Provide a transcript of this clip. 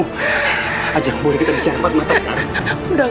sayang boleh kita bercara empat mata sekarang